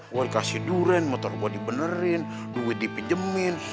gue dikasih durian motor gue dibenerin duit dipinjemin